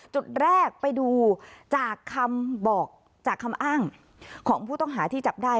จุดแรกไปดูจากคำบอกจากคำอ้างของผู้ต้องหาที่จับได้